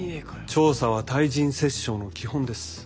調査は対人折衝の基本です。